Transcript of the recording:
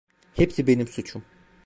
Hepsi benim suçum.